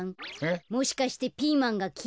もしかしてピーマンがきらいなの？